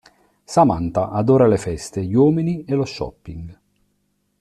Samantha adora le feste, gli uomini e lo shopping.